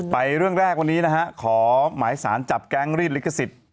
เรื่องแรกวันนี้นะฮะขอหมายสารจับแก๊งรีดลิขสิทธิ์